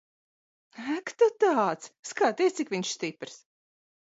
Ak tu tāds. Skaties, cik viņš stiprs.